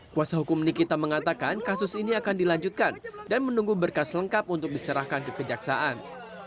kuasa hukum nikita mengatakan kasus ini akan dilanjutkan dan menunggu berkas lengkap untuk diserahkan ke kejaksaan